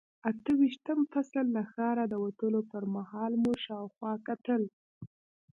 اته ویشتم فصل، له ښاره د وتلو پر مهال مو شاوخوا کتل.